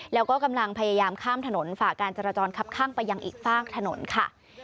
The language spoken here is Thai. แล้วก็กำลังพยายามข้ามถนนฝ่าการจราจรคับข้างไปยังอีกฝากถนนค่ะ